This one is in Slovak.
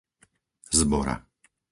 Zbora